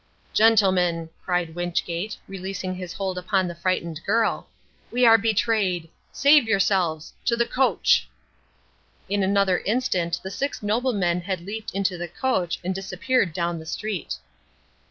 "Gentlemen," cried Wynchgate, releasing his hold upon the frightened girl, "we are betrayed. Save yourselves. To the coach." In another instant the six noblemen had leaped into the coach and disappeared down the street.